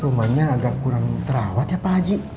rumahnya agak kurang terawat ya pak haji